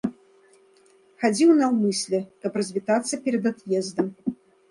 Хадзіў наўмысля, каб развітацца перад ад'ездам.